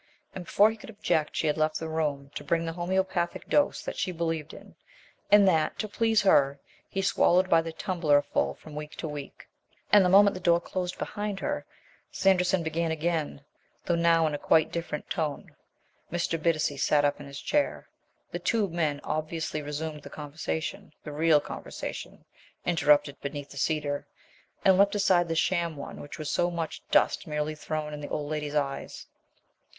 And before he could object she had left the room to bring the homeopathic dose that she believed in, and that, to please her, he swallowed by the tumbler full from week to week. And the moment the door closed behind her, Sanderson began again, though now in quite a different tone. Mr. Bittacy sat up in his chair. The two men obviously resumed the conversation the real conversation interrupted beneath the cedar and left aside the sham one which was so much dust merely thrown in the old lady's eyes.